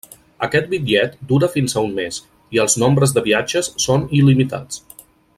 Aquest bitllet dura fins a un mes, i els nombres de viatges són il·limitats.